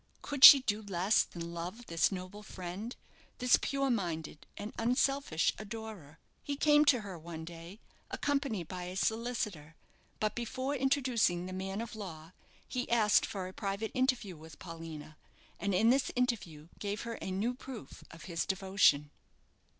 Could she do less than love this noble friend, this pure minded and unselfish adorer? He came to her one day, accompanied by a solicitor; but before introducing the man of law, he asked for a private interview with Paulina, and in this interview gave her a new proof of his devotion.